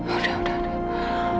udah udah udah